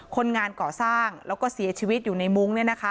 คนงานก่อสร้างแล้วก็เสียชีวิตอยู่ในมุ้ง